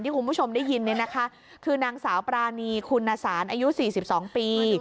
ที่คุณผู้ชมได้ยินนะคะคือนางสาวปรานีคุณนาศาลอายุ๔๒ปี